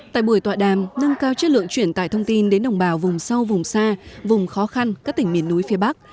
tại buổi tọa đàm nâng cao chất lượng chuyển tải thông tin đến đồng bào vùng sâu vùng xa vùng khó khăn các tỉnh miền núi phía bắc